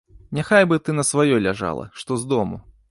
Няхай бы ты на сваёй ляжала, што з дому.